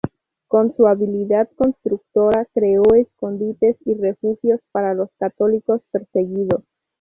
Con su habilidad constructora creó escondites y refugios para los católicos perseguidos.